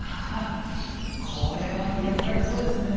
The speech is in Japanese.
これは癒やされそうですねえ。